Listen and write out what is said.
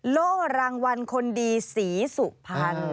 โล่รางวัลคนดีศรีสุภัณฑ์